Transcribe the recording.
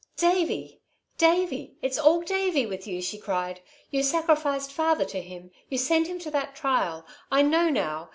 "Davey! Davey! It's all Davey with you!" she cried. "You sacrificed father to him. You sent him to that trial. I know now.